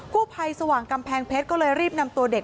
กู้ภัยสว่างกำแพงเพชรก็เลยรีบนำตัวเด็ก